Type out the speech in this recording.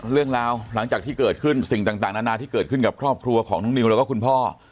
หลังจากที่เกิดขึ้นสิ่งต่างนานาที่เกิดขึ้นกับครอบครัวของน้องนิวแล้วก็คุณพ่อ